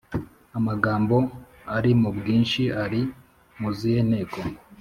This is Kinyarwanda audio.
amagambo ari mu bwinshi ari mu zihe nteko?